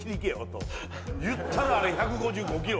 言ったらあれ１５５ｋｍ。